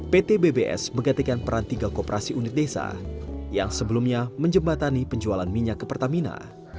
pt bbs menggantikan peran tiga kooperasi unit desa yang sebelumnya menjembatani penjualan minyak ke pertamina